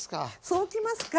そうきますか。